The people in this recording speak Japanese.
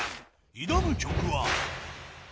挑む曲は。